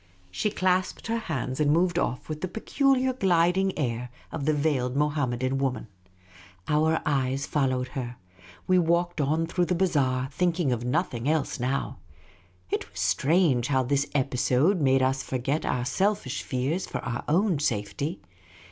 She clasped her hands and moved off with the peculiar gliding air of the veiled Mohammedan woman. Our e> js followed her. We walked on through the bazaai^ thinking of nothing else now. It was strange how this episode made us forget our selfish fears for our own safety.